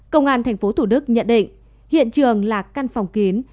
công an tp thủ đức nhận định hiện trường là căn phòng kín